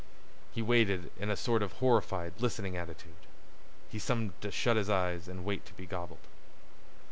He waited in a sort of a horrified, listening attitude. He seemed to shut his eyes and wait to be gobbled.